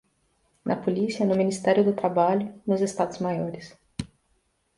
na Policia, no Ministério do Trabalho, nos Estados Maiores